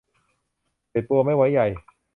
เด็ดบัวไม่ไว้ใย